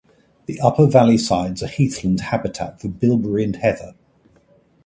The upper valley sides are heathland habitat for bilberry and heather.